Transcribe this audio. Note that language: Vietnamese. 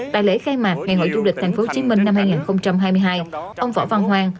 tại lễ khai mạc ngày hội du lịch thành phố hồ chí minh năm hai nghìn hai mươi hai ông võ văn hoang